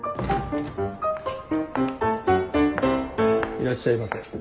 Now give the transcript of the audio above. いらっしゃいませ。